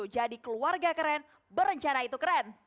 jadi keluarga keren berencana itu keren